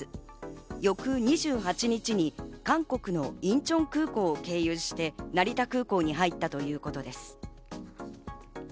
翌２８日に韓国のインチョン空港を経由して成田空港に入ったということです。